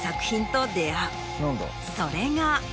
それが。